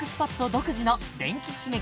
独自の電気刺激